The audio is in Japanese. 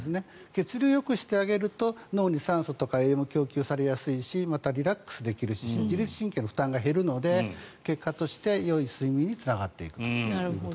血流をよくしてあげると脳に酸素とか栄養が供給されやすいしまたリラックスできるし自律神経の負担が減るので結果としてよい睡眠につながっていくと。